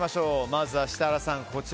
まずは設楽さん